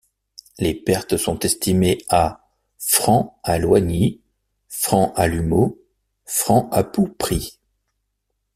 Les pertes sont estimées à francs à Loigny, francs à Lumeau, francs à Poupry.